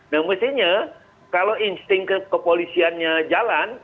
nah mestinya kalau insting kepolisiannya jalan